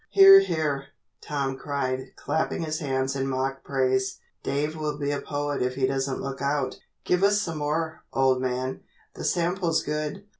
"Hear! Hear!" Tom cried, clapping his hands in mock praise. "Dave will be a poet if he doesn't look out. Give us some more, old man, the sample's good."